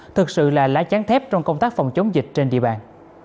thực sự là lá tráng thép trong công tác phòng chống dịch trên địa bàn